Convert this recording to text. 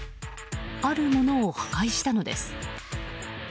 あるものを破壊したのです。